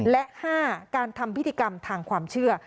และ๕การทำพิธีกรรมทางความเชื่อ